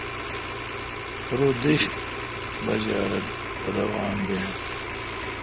رو دش باجہ رل روان بین۔